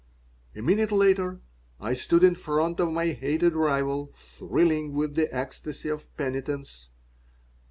A minute later I stood in front of my hated rival, thrilling with the ecstasy of penitence.